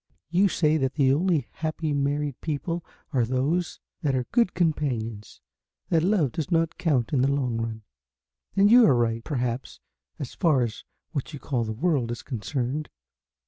You say that the only happy married people are those that are good companions, that love does not count in the long run, and you are right, perhaps, as far as what you call the World is concerned.